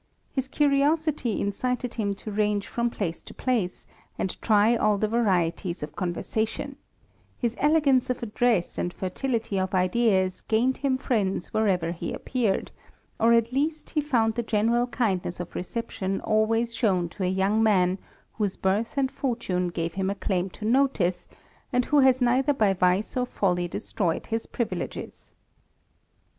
His curiosity incited him to range from place to place, and try all the varieties of conversation ; his elegance of address and fertility of ideas gained him friends wherever he appeared ; or at least he found the general kindness of reception always shown to a young man whose birth and fortune gave him a claim to notice, and who has neither by vice or folly destroyed his privileges.